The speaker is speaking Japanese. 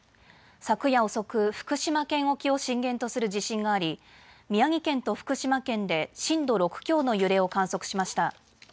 昨夜遅く、福島県沖を震源とする地震があり宮城県と福島県で震度６強の揺れを観測しました。